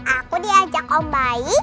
aku diajak om bayi